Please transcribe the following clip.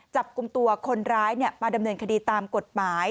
จับกลุ่มตัวคนร้ายมาดำเนินคดีตามกฎหมาย